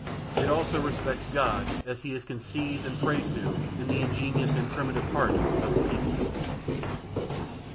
It also respects God as he is conceived and prayed to in the ingenuous and primitive heart of the people.